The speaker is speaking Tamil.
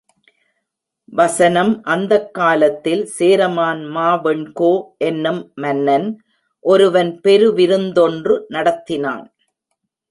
வசனம் அந்தக் காலத்தில் சேரமான் மாவெண்கோ என்னும் மன்னனன் ஒருவன் பெருவிருந்தொன்று நடத்தினான்.